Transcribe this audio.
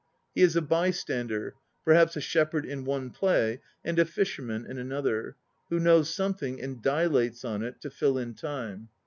He is a bystander perhaps a shepherd in one play and a fisherman in another who knows something, and dilates on it to fill in time.